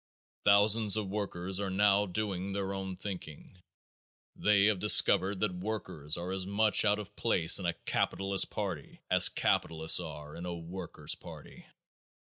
Thousands of workers are now doing their own thinking. They have discovered that workers are as much out of place in a capitalist party as capitalists are in a workers' party.